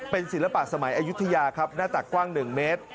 เป็นศิลปะสมัยอายุทยาครับหน้าตักกว้าง๑เมตร